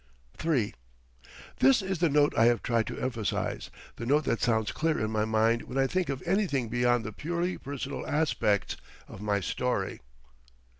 III This is the note I have tried to emphasise, the note that sounds clear in my mind when I think of anything beyond the purely personal aspects of my story.